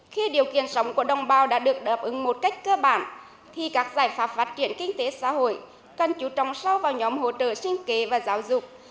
khi điều kiện sống của đồng bào đã được đáp ứng một cách cơ bản thì các giải pháp phát triển kinh tế xã hội cần chú trọng sâu vào nhóm hỗ trợ sinh kế và giáo dục